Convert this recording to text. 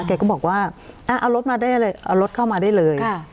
แกก็บอกว่าเอารถมาได้เลยเอารถเข้ามาได้เลย